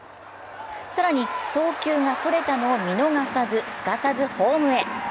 更に送球が逸れたのを見逃さず、すかさずホームへ。